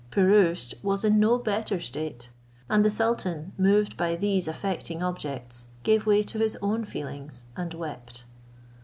Pirouzč was in no better state. And the sultan, moved by these affecting objects, gave way to his own feelings, and wept.